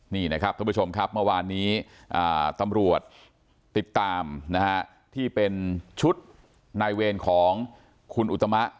นี่นะครับท่านผู้ชมครับเมื่อวานนี้ตำรวจติดตามนะฮะที่เป็นชุดนายเวรของคุณอุตมะ